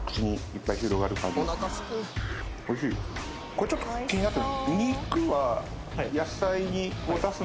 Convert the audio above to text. これちょっと気になって。